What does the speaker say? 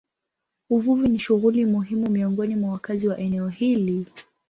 Uvuvi ni shughuli muhimu miongoni mwa wakazi wa eneo hili.